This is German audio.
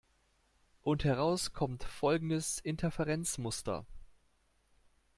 Und heraus kommt folgendes Interferenzmuster.